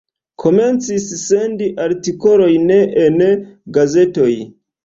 Komencis sendi artikolojn en gazetoj.